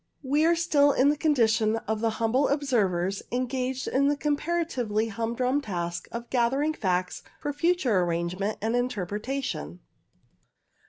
We are still in the condition of the humble observers engaged in the comparatively humdrum task of gathering facts for future arrangement and interpre tation.